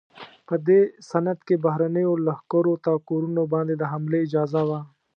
په دې سند کې بهرنیو لښکرو ته کورونو باندې د حملې اجازه وه.